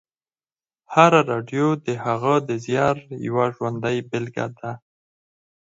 هره راډیو د هغه د زیار یوه ژوندۍ بېلګې ده